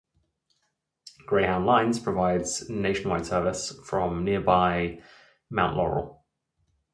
Greyhound Lines provides nationwide service from nearby Mount Laurel.